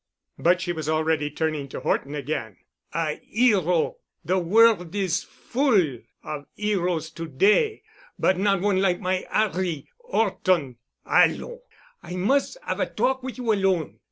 But she was already turning to Horton again. "A 'ero. The world is full of 'eros to day, but not one like my 'Arry 'Orton. Allons! I mus' 'ave a talk with you alone.